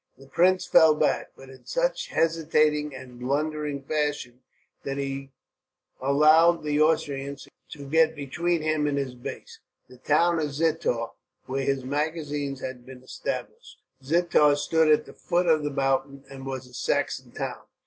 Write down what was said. The prince fell back, but in such hesitating and blundering fashion that he allowed the Austrians to get between him and his base, the town of Zittau, where his magazines had been established. Zittau stood at the foot of the mountain, and was a Saxon town.